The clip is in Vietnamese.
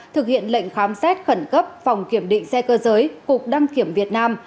thực hiện lệnh khám xét khẩn cấp phòng kiểm định xe cơ giới cục đăng kiểm việt nam